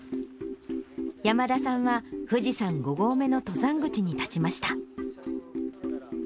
山田さんは富士山５合目の登山口に立ちました。